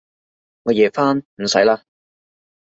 我夜返，唔使喇